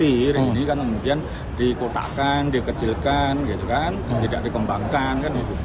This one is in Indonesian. ini kan kemudian dikotakan dikecilkan tidak dikembangkan